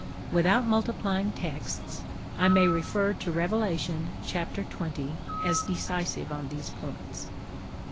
Without multiplying texts, I may refer to Revelation, chap. xx., as decisive on these points.